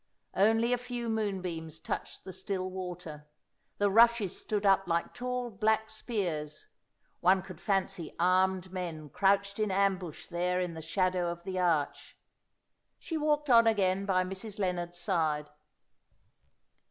Only a few moonbeams touched the still water; the rushes stood up like tall black spears; one could fancy armed men crouched in ambush there in the shadow of the arch. She walked on again by Mrs. Lennard's side.